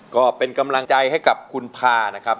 ก็เป็นกำลังใจให้กับคุณพานะครับ